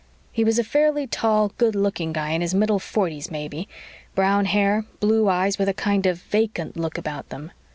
He was a fairly tall, good looking guy in his middle forties maybe brown hair, blue eyes with a kind of vacant look about them.